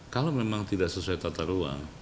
kalau memang tidak sesuai tata ruang